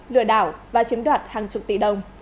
lừa đảo và chiếm đoạt hàng chục tỷ đồng